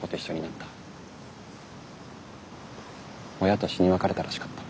親と死に別れたらしかった。